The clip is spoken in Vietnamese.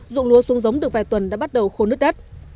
dụng lúa xuống giống được vài tuần đã bắt đầu khô nứt đất